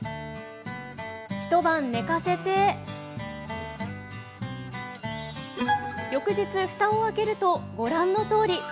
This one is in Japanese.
一晩寝かせて翌日ふたを開けるとご覧のとおり。